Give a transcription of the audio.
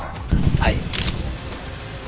はい。